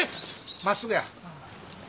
真っすぐや。